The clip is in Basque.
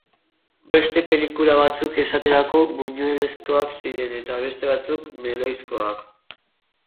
Beste pelikula batzuk, esaterako, Buñuelezkoak ziren eta beste batzuk meloizkoak.